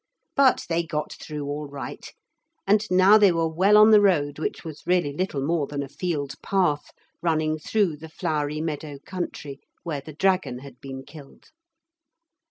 But they got through all right, and now they were well on the road which was really little more than a field path running through the flowery meadow country where the dragon had been killed.